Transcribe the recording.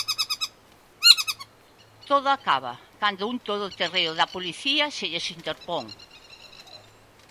Todo acaba cando un todoterreo da policía se lles interpón.